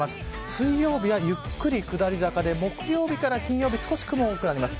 水曜日はゆっくり下り坂で木曜日から金曜日少し雲が多くなります。